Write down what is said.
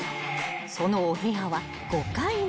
［そのお部屋は５階に］